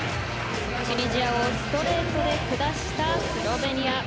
チュニジアをストレートで下したスロベニア。